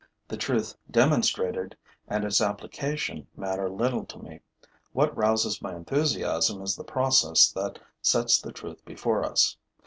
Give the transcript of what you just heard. The truth demonstrated and its application matter little to me; what rouses my enthusiasm is the process that sets the truth before us.